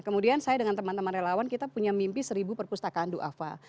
kemudian saya dengan teman teman relawan kita punya mimpi seribu perpustakaan do'afa